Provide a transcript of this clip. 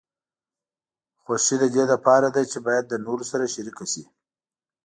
خوښي د دې لپاره ده چې باید له نورو سره شریکه شي.